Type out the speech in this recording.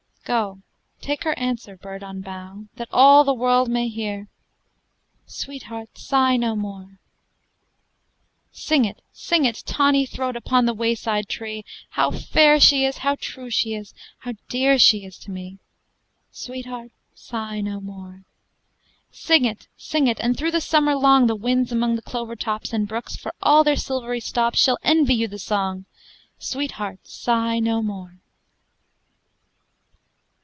Go, take her answer, bird on bough, That all the world may hear Sweetheart, sigh no more! Sing it, sing it, tawny throat, Upon the wayside tree, How fair she is, how true she is, How dear she is to me Sweetheart, sigh no more! Sing it, sing it, and through the summer long The winds among the clover tops, And brooks, for all their silvery stops, Shall envy you the song _Sweetheart, sigh no more!